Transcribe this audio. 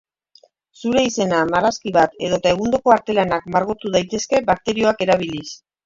Zure izena, marrazki bat edota egundoko artelanak margotu daitezke bakterioak erabiliz.